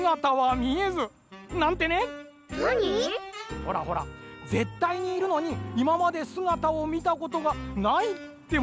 ほらほらぜったいにいるのにいままですがたをみたことがないってものあるでしょう？